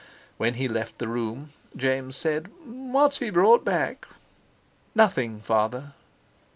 When he left the room, James said: "What's he brought back?" "Nothing, Father."